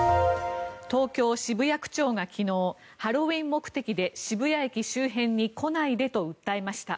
東京・渋谷区長が昨日ハロウィーン目的で渋谷駅周辺に来ないでと訴えました。